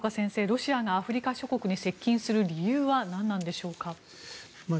ロシアがアフリカ諸国に接近する理由は何なんでしょうか？